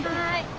はい。